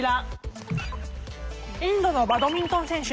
インドのバドミントン選手